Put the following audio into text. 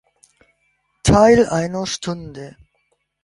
Teil einer Stunde.